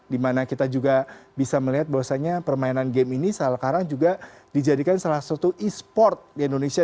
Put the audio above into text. dimana kita juga bisa melihat bahwasannya permainan game ini sekarang juga dijadikan salah satu e sport di indonesia